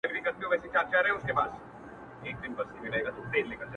چې بښنه وغواړم